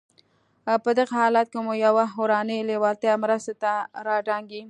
په دغه حالت کې مو يوه اورنۍ لېوالتیا مرستې ته را دانګي.